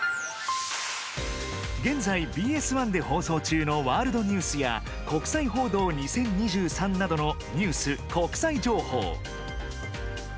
現在ＢＳ１で放送中の「ワールドニュース」や「国際報道２０２３」などのニュース・国際情報。